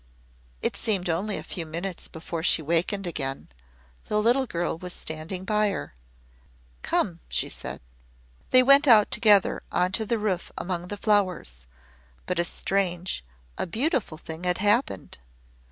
It seemed only a few minutes before she wakened again. The little girl was standing by her. "Come," she said. They went out together onto the roof among the flowers, but a strange a beautiful thing had happened.